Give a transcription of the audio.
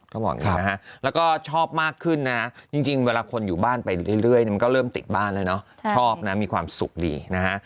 แล้วก็ชอบมากขึ้นนะจริงเวลาคนอยู่บ้านไปเรื่อยมันก็เริ่มติดบ้านเลยนะชอบนะมีความสุขดีนะฮะ